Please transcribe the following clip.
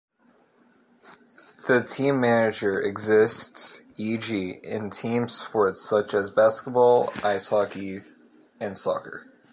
The team manager exists e.g. in team sports such as basketball, ice hockey and soccer.